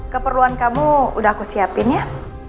keperluan kamu udah aku siapin ya